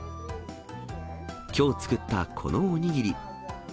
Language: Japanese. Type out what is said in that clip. きょう作ったこのお握り。